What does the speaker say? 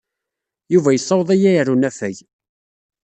Yuba yessaweḍ-iyi ɣer unafag.